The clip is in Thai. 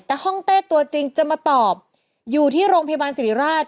แต่ห้องเต้ตัวจริงจะมาตอบอยู่ที่โรงพยาบาลสิริราช